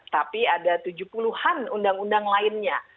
tapi ada tujuh puluhan undang undang lainnya